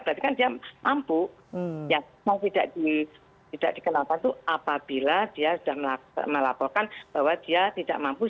berarti kan dia mampu yang tidak dikenalkan itu apabila dia sudah melaporkan bahwa dia tidak mampu